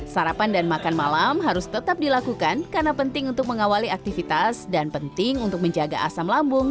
sarapan dan makan malam harus tetap dilakukan karena penting untuk mengawali aktivitas dan penting untuk menjaga asam lambung